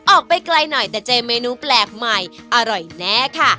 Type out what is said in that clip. ออกไปไกลหน่อยแต่เจอเมนูแปลกใหม่อร่อยแน่ค่ะ